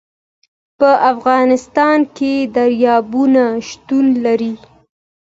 په افغانستان کې دریابونه شتون لري.